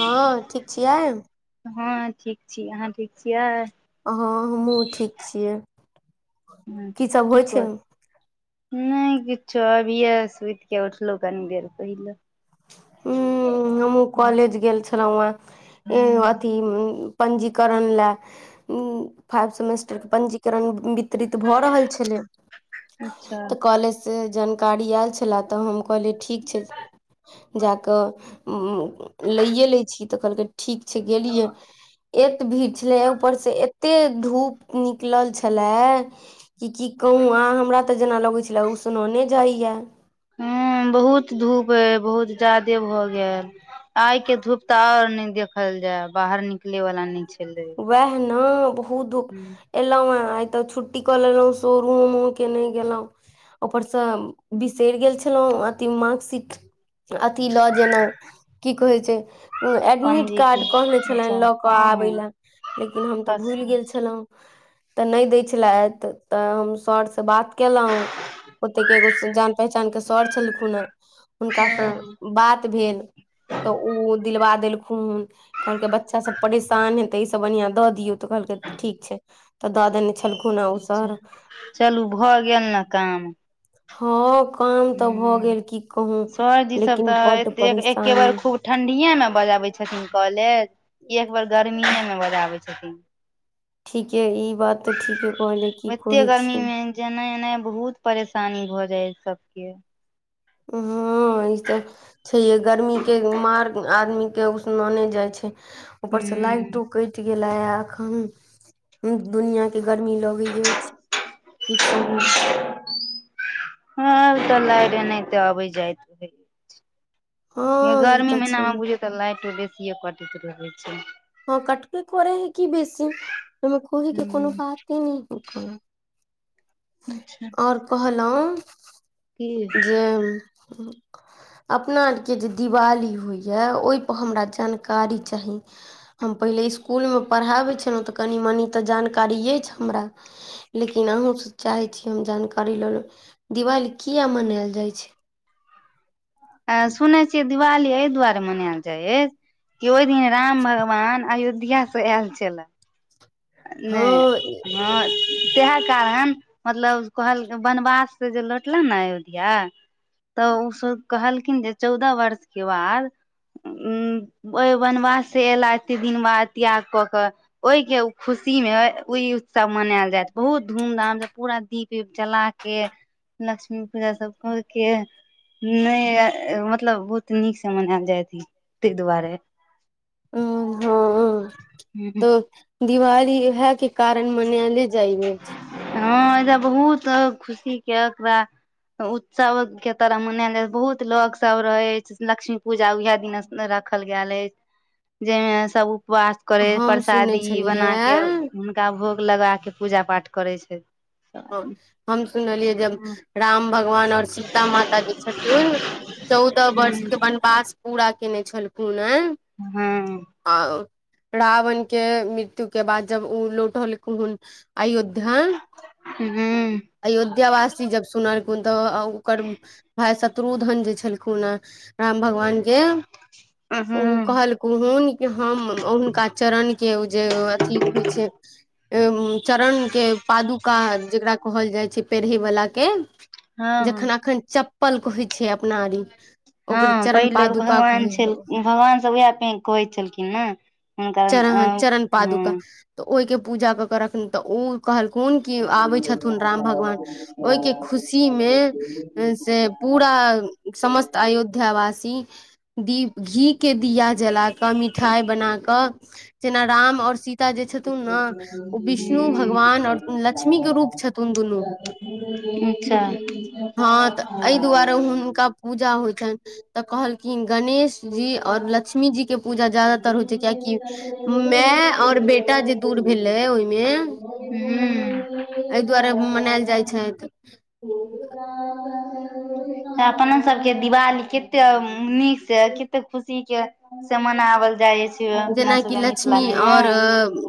हँ ठीक छियै हँ ठीक छी अहाँ ठीक छियै हँ हमहूँ ठीक छियै अच्छा सब की होइ छै कर नहि किछो अभिये सुति के उठलहु कनी देर पहिले हं हमहुँ कॉलेज गेल छलहुँ हैं ए अथि पंजीकरण लए फाइव सेमेस्टरके पंजीकरण त्रीत भऽ रहल छलै अच्छा तऽ कॉलेज से जानकारी आयल छला तऽ हम कहलियै ठीक छै जा कऽ ई ई लैए लै छी तऽ कहलकै ठीक छै गेलियै एत भीड़ छलै ऊपर से एते धूप निकलल छलैय कि की कहू आ हमरा तऽ जेना लगैत छलए उसनने जाइए हं बहुत धूप अय बहुत ज्यादे भऽ गेल आइ के धूप तऽ और ने देखल जाय बाहर निकले वाला नहि छलै वएह ने बहुत धूप एलहु हे आ तऽ छुट्टी कऽ लेलहुँ शोरूमो के नहि गेलहुं ऊपर सँ बिसरि गेल छलहुँ अथी मार्कशीट अथी लऽ जेनाय की कहै छै उ एडमिट पणजी के कार्ड कहने अच्छा छलैनि लऽ हँ आबे ला हँ लेकिन हम तऽ भूल गेल छ हुं तऽ नहि दै छलथि तऽ हम सर से बात केलहुँ ओते के एगो जान पहचान के सर छलखुन हे हुनका सँ बात भेल तऽ ओ दिलवा देलवाखुन कहलकै बच्चा सब परेशान हेतै से ओनहिओ दऽ दियौ त कहल कै ठिक छै दऽ देने छेलखुन चलू भऽ गेल ने काम हँ काम तऽ भऽ हुँ गेल की कहू सरजी सब लेकिन तऽ बड्ड एतेक एके परेशानी बेर खूब ठण्डीए मे बजाबै छथिन कॉलेज कि एकबर गर्मिए मे बजाबै छथीन ठीके ई बात तऽ ठीके कहले की एते कहै गर्मी छीये मे जेनाइ ईनया बहुत परेशानी भऽ जाय सबके हुँ ई सब छै ये गर्मी के मार आदमी के उसनोने जाय छै ऊपर से हूं लाइटो केट गेल या अखन दुनिया के गर्मी लगै गेल छी की कहू हँ तऽ लाइट एनाहिते अबैत जाइत रहते हँ ई गर्मी तऽ महीना छै मे बुझियौ तऽ लाइटो बेसीेये कटैत रहैत छै हँ कटके कर है कि बेसी ओ खोही के हूं कोनो बाते नहि करे अच्छा और कहलहु की जे अपना आरके जे दिवाली होइए ओहिपर हमरा जानकारी चाही ' हम पहिले स्कूलमे मे पढ़ाबै छलहुँ तऽ कनि मनि तऽ जानकरी ऐ छै हमरा लेकिन अहूँसँ चाहै छी हम जानकारी ल ली दिवाली किया मनायल जाइ छै आ सुनै छियै दिवाली एहि दुआरे मनायल जाय अछि कि ओहि दिन राम भगवान अयोध्या से अयोध्या से आयल छलाह हँ नहि ह तएह कारण मतलब कहलकनि वनवास से जे लौटलै ने अयोध्या। तऽ ओसभ कहलखिन जे चौदह वर्ष के बाद ओ बनवास से एयला एते दिन बाद त्याग कऽ कऽ ओहि के खुशी मे ओई उत्सव मनायल जायत बहुत धूम धाम से पूरा दीप ऊप जला कऽ के लक्ष्मी पूजा सब कर के नहि मतलब बहुत नीक से मनायल जायत हो हो उ ह ऊ दिवाली उएहा के कारण मनायले जाइ अछि हँ एहिजा बहुत खुशी के ओकरा। उत्सव के तरह मनायल जाय बहुत लोग सब रहे छै लक्ष्मी पूजा उएहा दिना राखल गेल अछि जाहिमे सब उपवास। उकरै हम सुनने प्रसादी बना के छलियै हुनका भोग लगा के पूजा पाठ करै छै हाँ हँ हम सुनलियै जब राम भगवान अओर सीता माता जे छथिन चौदह वर्ष के वनवास पूरा केने छलखून हँ ऐ रावण के मृत्यु के बाद जब ओ लौटलखुन अयोध्या हूँ अयोध्या वासी जब सुनलखुन तऽ ओकर भाई शत्रुध्न जे छलखुन हैं राम भगवान के ओ हँ कहल। कुहुन कि हम हुनका चरणके ओ जे अथी होइ छै चरण के पादु का जेकरा कहल जाइ छै पेढ़े वाला के हँ जखन एखन पल्क कहै छीये अपना आरी ई हँ पहिले भगवान छल भगवान सब उएह कहै छलखिन न चरण चरण पादुका तऽ ओहिके पूजा कऽ के रखलु तऽ ओ कहलखुन कि आबै छथुन राम भगवान। ओइ के खुशी में से अच्छा पूरा समस्त अयोध्यावासी दीप घी के दिया जला कऽ मिठाई बना कऽ जेना राम और सीता सेह जे छथुन ने ओ विष्णु भगवान ओर लक्ष्मी के रूप छथुन दुनु अच्छा हँ तऽ एहि दुआरे हुनका पूजा होइ छइन तऽ कहलखिन गणेश जी और लक्ष्मी जी के पूजा ज्यादातर होइ छइ कियाकि माई और बेटा जे दूर भेलै ओहिमे हूँ एहि दुआरे मनैल जाई छै अपन सबके दिवाली कते नीक से कते खुशी के से मनावल जाइ अइछ जेना कि लक्ष्मी और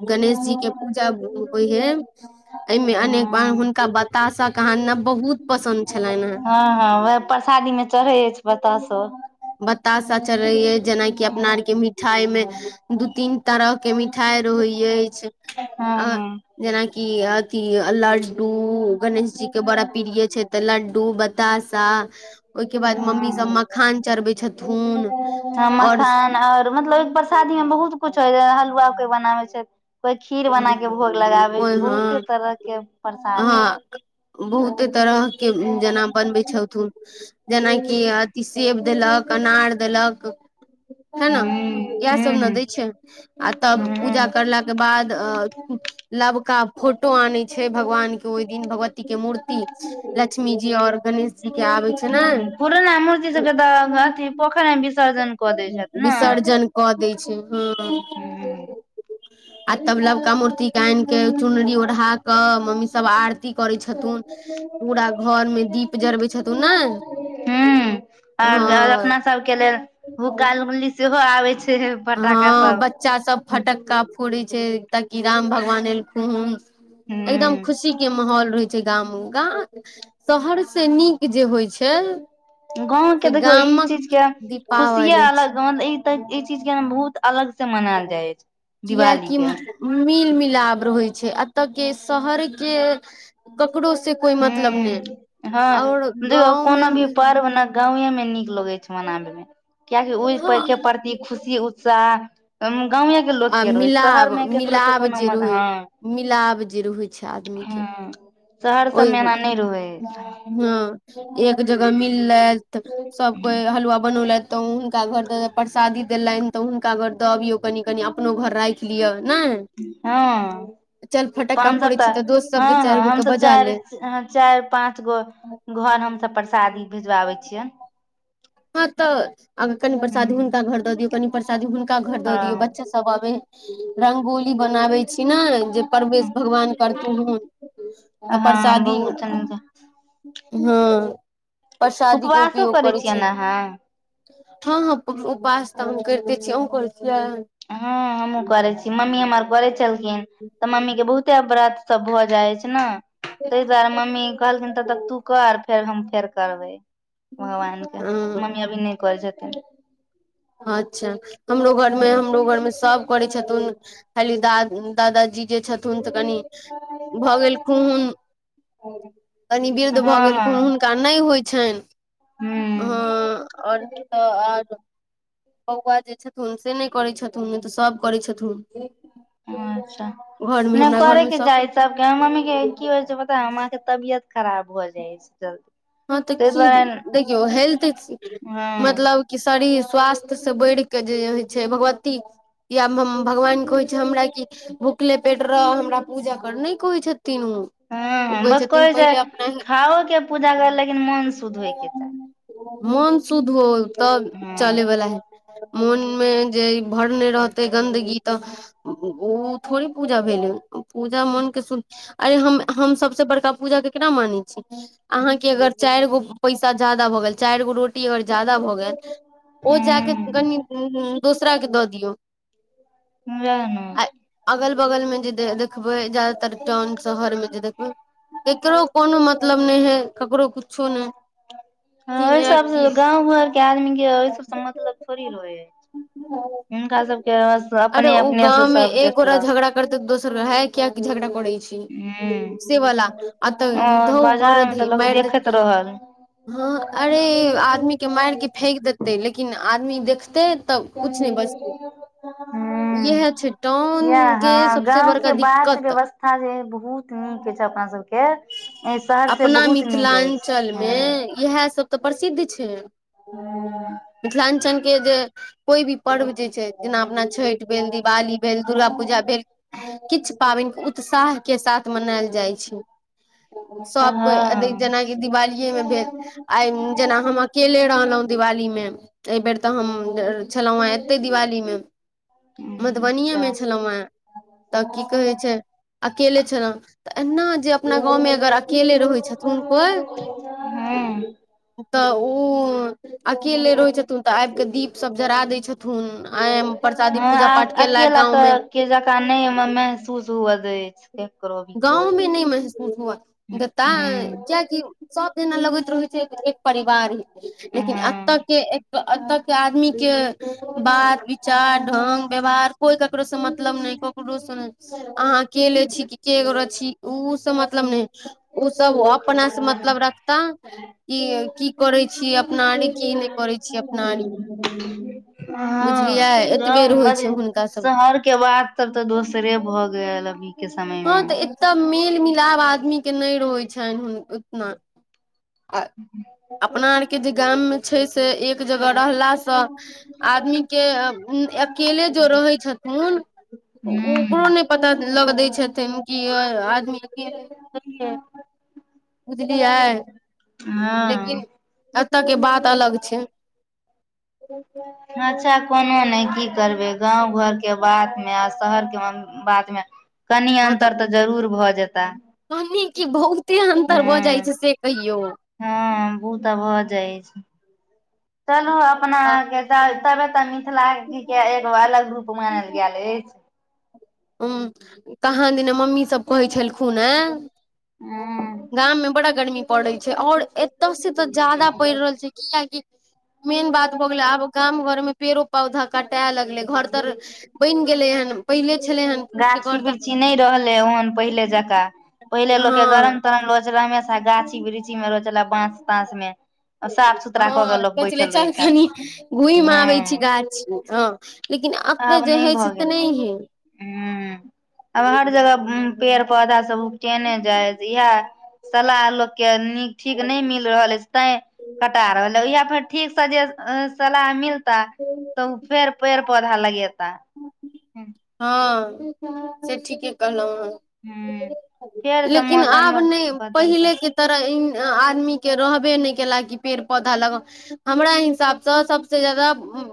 गणेश जी के पूजा होइ हइ ऐ में अनेक हँ अनू आम बताना कहाँ दुना बहुत पसन्द छलनि हेँ हँ हँ उएह प्रसादी में चढ़ै अछि बताशो बताशा चढ़ैइ जेनाकि अपना आरके मिठाइ मे दू तीन तरह के मिठाइ रहइ अछि हँ आ हँ जेनाकि अथी लड्डू गणेश जी के बड़ा प्रिय छइ तऽ लड्डू बतासा ओहिके बाद मम्मी सब मखान चढ़बै ओ छथुन उ और मखाना और मतलब ओइ प्रसादी में बहुत कुछ होय छइ जेना हलुआ के बनाबै छै कोई खीर बना के भोग लगाबै ओहि छै हँ बहुते तरह के प्रसाद होय हँ है बहुते तरहके जेना बनबै छथ ओ जेनाकि अथि सेब देलक अनार देलक हय ने हूं इएह हूं सब ने दै छै आ तब पूजा हूं करलाके बाद तऽ अ नवका फोटो आनय छइ भगवान के ओहि दिन भगवती के मूर्ति लक्ष्मी जी और गणेश ठिके आबैय छै नाऽ पुरना मूर्ति सब के तऽ अथी पोखर में विसर्जन कऽ दै छथि ने विसर्जन कऽ दै छय हं आ तब लबका मूर्ति के आन के चुनरी ओढ़ा कऽ मम्मी सब आर ती करै छथुन पूरा घर में दीप जरबै छथुन ने हं आऔर हँ अपना सब के लेल भुकाल गली सेहो आबे छै फटाका हँ सब बच्चा सब फटक्का कोे छै तऽ की राम भगवान एलखु एकदम हूं खुशी के माहौल रहै छै गाम ग शहर से नीक जे होइ छय गाँव के देखियउ ई चीज के खुशिये दीपावली छै अलग गाँ ई तऽ ई चीज के बहुत अलग से मनायल जाय अछि दिवाली कियाकि के मिल मिलाप रहय छै एतऽ के शहर के ककरो से कोइ मतलब नय हूं हँ ओर गाँव मे गाव में नीक लगइ छै मनाबे मे कआकि उ के प्रत खुशी उत्साह गावें के लोक आ के रहै शहर मे केकरो से कोनो म हँ मिलाव जे होइ छइ आदमी के हँ शहर ओहि सबमे एना नहि रहै हं एक जगह मिल्लनसब कोई हलुआा बनौलथि तऽ हुनका घर परसादी देलनि तऽ हुनका कऽ दबियौ कनि कनि अपनो घर राखि लिए। लिए न हँ चल फ़तक्क हमसब छै तऽ त दस्त सभ हँ हँ चारगोके हमसब बजा चारि ले चारि पाँचगो घर हम सभ परसादी भिजवाबे छियै। हँ, तऽ अन कनि परसादी हूं हुनका घर दऽ दियऔ कनि परसादी हुनका घर दऽ दियौ बच्चा। हँ सभ अबे रंगोली बनाबे छै ने जे प्रसादी भगवान करतु हन तऽ हँ पर्सदी बहुत हैं, प्रसादीके उपवासो उपयोग करै छियनि छै। अहाँ हँ, हँ, उपास तऽ हम करिते छिये आ करियै? हँ, हमहुँ करे छै मम्मी हमर करे छलखिन तऽ मम्मीके बहुते अपराध। सभ भऽ जाय छै, ने छियै ताहि दुआरे मम्मी कहलखिन तब तक तू कर फेर हम फेर करबै भगवानके ह मम्मी अभी नहि करै छथिन। अच्छा हमरो घरमे हमरो घरमे सभ करै छथुन खाली दादाजी। जे छ्ट। न तऽ कनि भऽ गेलखु हुन कनि वृद्ध भऽ हँ गेलखुुन का नै होइ छैन हू। हँ, आर तऽ आर बुआ जे छथुन से नहि करैत छथुन नहि तऽ सभ करैत छथुन। अच्छा, घरमे नै हमरा घरमे करैके चाही। सभ मम्मीके कि होय छै, पता माँ के तबियत खराब भऽ जाय छै, जल्दी हँ, तऽ ताहि कि दुआरे देखियौ हेल्थ हँ मतलब। कि शरीर स्वास्थ से बढ़ कऽ जे होइ छै, भगवती या हम भगवान कहै छै, हमरा कि भुखले पेट रह हमरा पूजा करने कऽ नै कहै छथिन ओ। ओ हँ, बस छथिन कहै छै, पहिले अपना खाओके पूजा कर लेकिन मोन शुद्ध होय के त मोन शुद्ध हो तऽ चले वला हँ है। मोनमे जे भरने रहते गन्दगी तऽ ओ थोड़ी पूजा भेलै। पूजा मनके सुधी अरे हम तो सभसँ बड़का पूजा केकरा मानै। अहाँकेँ अगर चारिगो पैसा ज्यादा भऽ गेल चारिगो रोटी अगर ज्यादा भऽ गेल। ओ जाक ह कनि दोसराके दऽ दियौ। सेहा न। आ अगल बगलमे जे। देखबे जादातर टाउन शहरमे जे देखबै केकरो कोनो मतलब नहि हे। ककरो कुछो नहि। ह, ओहि सबसँ कियाकि गाव घरके आदमीके ओहि सबसँ मतलब थोड़ी रहै हय। हुनका सभके अरे अपने ओ अपने से गाँव मे सभ देखलक। एक तऽ दोसर है किया झगड़ा करड़ै छै। से ह वला आ तऽ और धो बाजार मरद मे तऽ हि लोक मारद। देखैत रहल हँ, अरे आदमीके मार कऽ फेक देतै लेकिन आदमी देखतै। हू, इह छै टाउन के यहाँ सबसे गाम। बड़का के बात दिक्कत व्यवस्था जे बहुत निक छै अपना सभके हे ऐ शहरसे बहुत निक अछि। इएह सभ तऽ प्रसिद्ध छै, मिथिलांचलके जे कोइ भी पर्व जे छै, जेना अपना छठि भेल दिवाली भेल दुर्गा पूजा भेल। किछु पबाइन उत्साहके साथ मनायल जाइ छै। हँ सब कोइ अ हँ जेनाकि दिवालीए मे भेल आइ जेना हम अकेले रहलहुँ दिवालीमे एहि बेेर तऽ हम छलौं हेँ एते दिवाली मे मधुबनीे अच्छा मे छलौं हेँ तऽ की कहै छै अकेले छलहु तऽ एहिना जे अपना गाँवमे अगर अकेले रहै छुथुन कोई ह तऽ उ अकेले रहै छथुन तऽ आब कऽ दीपसभ जरा दैत छथुन आय प्रसादी पूजा पाठ हँ केलक अकेला गाँंव मे तऽ के जकाँ नहिमे महसूस हुअ दैत जेकाअछि एककरो गाँवमे नहि महसूस हुआ देताय हँ क्या की सब जेना लगैत रहै छै जेना एक परिवार ही लेकिन एतऽ के एतऽ के आदमी के बात विचार ढंग व्यवहार कोई केकरो स मतलब नहि ककरो स अहाँ अकेले छी के छी ऊ सब मतलब नहि ऊ सब अपना स मतलब तऽ ई की करै छीय अपना आरी की नहि करै छी अपना आरी बुझलियै हग एतबेर होइ छै [unintelligible] हुनका सभके शहर के वात त तऽ दोसरे भऽ गेल अभी के समय हँ मे तऽ हूँ एत मेल मिलाब आदमी के नहि रहै छनि हू उतना आ अपना आरके जे गाममे छै से एक जगह रहलासँ आदमी के अकेले जो रहै छथून उकरो नहि पता लग दै छथिन कि आदमी [unintelligible] बुझलियए लेकिन हँ एतऽ के बात अलग छै अच्छा कोनो नहि की करबै गाँव घरके बातमे आ शहरके बाद मे कनि अन्तर तऽ जरूर भऽ जेता कनी कि बहुते अन्तर भऽ जाइ हँ छै से कहियौ हँ ऊ तऽ भऽ जाइ छै चलहो अपना ह आ के तऽ तबे तऽ मिथिला के एगो अलग रूप मानल गेल अछि उ कहाँ दिना मम्मीसभ कहै छलखुन हाँ हूँ गाम मे बड़ा गर्मी पड़ैत छै और एतय स तऽ ज्यादा पड़ि रहल छै कियकि मेन बात भ गेलै आब गाँव घर मे पेड़ो पौधा कटाए लगले घर तर बैन गेलै हन पहिले छलै हन फूट के गाछी घर तऽ बिरछी नहि रहलै ओहन पहिले जकाँ पहिले हँ लोकके गरम तरम रहो छल हमेशा गाछी बिृक्षी मे रहो छलै बाँस ताँंस मे साफ सुथरा कऽ हँ के लोक सोचले बैठल रहै छाएल हूं अछ लेकिन एतऽ आब जे नहि होइ छै भऽ से गेल नहि हैय आब हर जगह पेड़ पौधा सब उपटेने जाय है इएह सलाह लोक के नीक ठीक नहि मिल रहल अछि तै कटा रहल इहा फेर ठीक से जे सलाह मिल हइ तऽ [unintelligible] फेर पेड़ पौधा लगेता हँ से ठीके कहलहु आहाँ फेर से लेकिन मौसम आब नहि बदलता पहिलेके तर आदमी के रहबे नइ केएल कि पेड़ पौधा लग हमरा हिसाबसँ सबसँ जैदा